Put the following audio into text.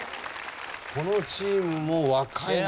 このチームも若いな。